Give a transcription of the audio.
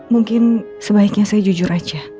mungkin sebaiknya saya jujur saja